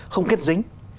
không kết dính